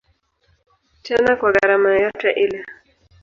Tena kwa gharama yoyote ile.